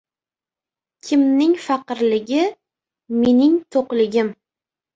Kimning faqirligi – mening to‘qligim